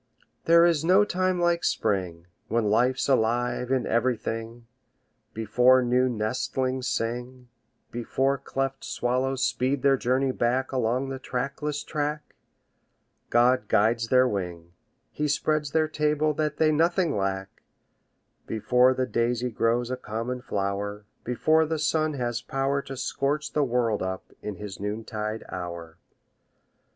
There is no time like Spring, When life's alive in everything, Before new nestlings sing, Before cleft swallows speed their journey back Along the trackless track, God guides their wing, He spreads their table that they nothing lack, Before the daisy grows a common flower, Before the sun has power To scorch the world up in his noontide hour.